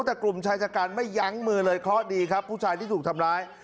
แต่กลุ่มชายจัดการไม่ยั้งมือเลยเคราะห์ดีครับผู้ชายที่ถูกทำร้าย